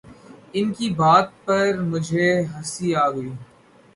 ان کی بات پر مجھے ہنسی آ گئی